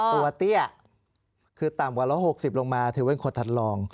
แต่ตัวเตี้ยคือต่ำกว่าละ๖๐ลงมาถือว่าเป็นคนถัดรอง